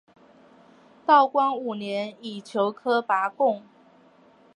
道光五年乙酉科拔贡。